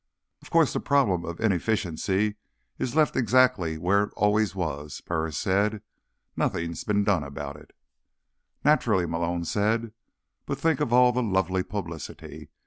"Of course, the problem of inefficiency is left exactly where it always was," Burris said. "Nothing's been done about it." "Naturally," Malone said. "But think of all the lovely publicity.